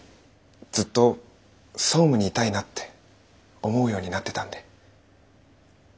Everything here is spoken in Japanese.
ずっと総務にいたいなって思うようになってたんで。